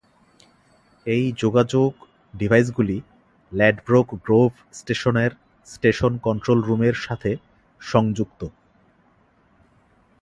এই যোগাযোগ ডিভাইসগুলি ল্যাডব্রোক গ্রোভ স্টেশনের স্টেশন কন্ট্রোল রুমের সাথে সংযুক্ত।